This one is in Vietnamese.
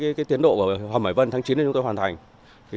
hiện nay với tiến độ của hòa mãi vân tháng chín chúng tôi hoàn thành